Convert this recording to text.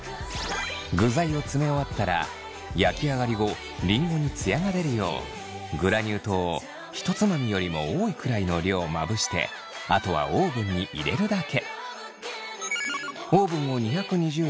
具材を詰め終わったら焼き上がり後りんごにツヤが出るようグラニュー糖を一つまみよりも多いくらいの量をまぶしてあとはオーブンに入れるだけ。